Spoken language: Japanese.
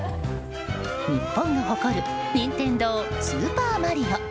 日本が誇る任天堂「スーパーマリオ」。